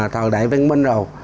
thờ đại văn minh rồi